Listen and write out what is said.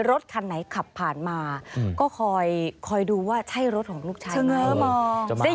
รถคันไหนขับผ่านมาก็คอยดูว่าใช่รถของลูกชายใช่ไหม